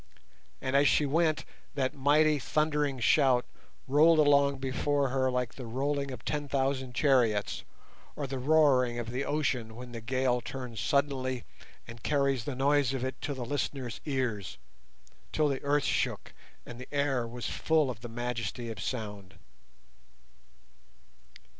And as she went, that mighty, thundering shout rolled along before her like the rolling of ten thousand chariots, or the roaring of the ocean when the gale turns suddenly and carries the noise of it to the listener's ears, till the earth shook, and the air was full of the majesty of sound.